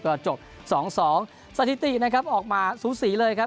ก็จบ๒๒สถิตินะครับออกมาสูสีเลยครับ